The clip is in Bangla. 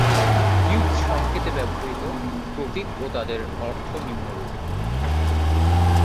কিউব সংকেতে ব্যবহৃত প্রতীক ও তাদের অর্থ নিম্নরূপ।